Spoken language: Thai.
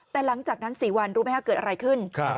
แต่หลังจากนั้น๔วันรู้ไหมครับเกิดอะไรขึ้น